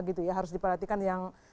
gitu ya harus diperhatikan yang